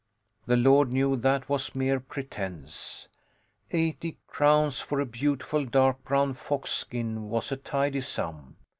The Lord knew that was mere pretence. Eighty crowns for a beautiful, dark brown fox skin was a tidy sum!